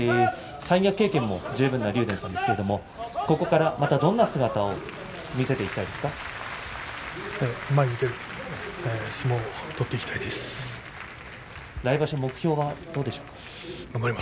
三役経験も十分な竜電さんですがここからどんな姿を前へ出る相撲を来場所の目標はどうでしょうか。